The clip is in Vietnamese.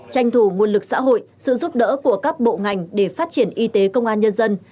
tranh thủ nguồn lực xã hội sự giúp đỡ của các bộ ngành để phát triển y tế công an nhân dân